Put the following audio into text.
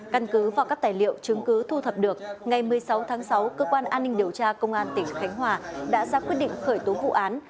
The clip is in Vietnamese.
căn cứ vào các tài liệu chứng cứ thu thập được ngày một mươi sáu tháng sáu cơ quan an ninh điều tra công an tỉnh khánh hòa đã ra quyết định khởi tố vụ án